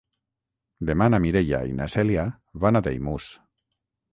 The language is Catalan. Demà na Mireia i na Cèlia van a Daimús.